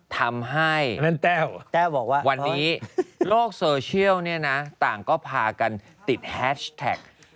ทำให้แต้ววันนี้โลกโซเชียลต่างก็พากันติดแฮชแท็ก